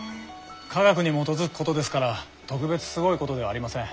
科学に基づくことですから特別すごいことではありません。